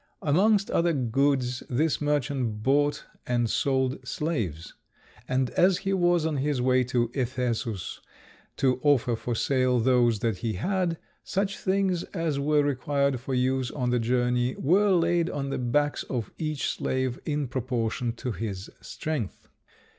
Amongst other goods this merchant bought and sold slaves: and as he was on his way to Ephesus to offer for sale those that he had, such things as were required for use on the journey were laid on the backs of each slave in proportion to his strength.